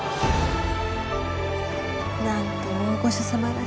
なんと大御所様らしい。